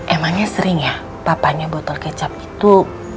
emangnya sering ya papanya botol kecap itu